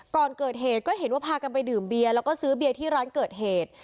ก่อนเกิดเหตุก็เห็นว่าพากันไปดื่มเบียร์แล้วก็ซื้อเบียร์ที่ร้านเกิดเหตุ